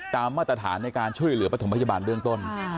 มาตรฐานในการช่วยเหลือประถมพยาบาลเบื้องต้น